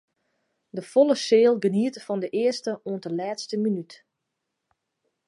De folle seal geniete fan de earste oant de lêste minút.